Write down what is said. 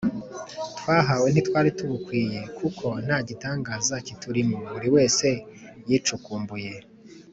twahawe ntitwari tubukwiye kuko nta gitangaza kiturimo(buri wese yicukumbuye